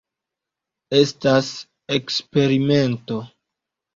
Estas eksperimento.